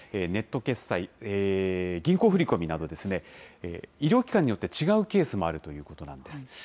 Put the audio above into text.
ネット決済、銀行振り込みなど、医療機関によって違うケースもあるということなんです。